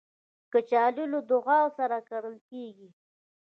کچالو له دعاوو سره کرل کېږي